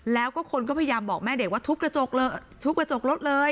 แล้วก็คนก็พยายามบอกแม่เด็กว่าทุบกระจกลดเลย